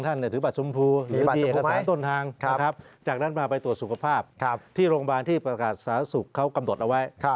ท่านถือบัตรสุมภูย์นะครับจากนั้นมาไปตรวจสุขภาพนะครับที่ประกาศสาวศูนย์กำดดเอาไว้